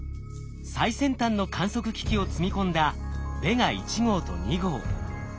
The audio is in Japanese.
最先端の観測機器を積み込んだヴェガ１号と２号。